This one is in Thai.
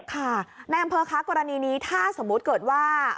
ค่ะนายอำเภอคะกรณีนี้ถ้าสมมุติเกิดว่า